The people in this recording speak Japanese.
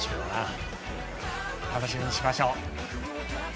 楽しみにしましょう。